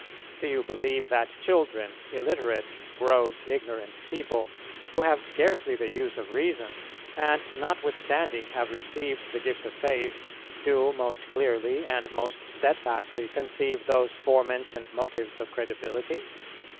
Do you believe that children, illiterate, gross, ignorant people, who have scarcely the use of Reason, and notwithstanding have received the gift of Faith, do most clearly and most steadfastly conceive those forementioned motives of credibility?